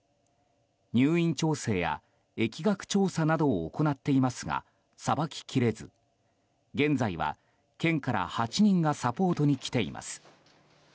入院調整や疫学調査などを行っていますがさばききれず現在は、県から８人がサポートに来ています。